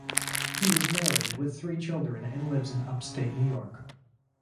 He is married with three children and lives in upstate New York.